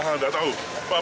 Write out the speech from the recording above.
ah nggak tahu